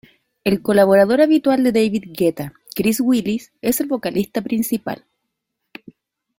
El colaborador habitual de David Guetta, Chris Willis, es el vocalista principal.